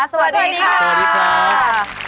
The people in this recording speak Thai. สวัสดีค่ะ